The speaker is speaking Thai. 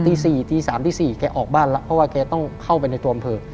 ตี๔ตี๓ตี๔แกออกบ้านแล้วเพราะว่าแกต้องเข้าไปในตัวอำเภอ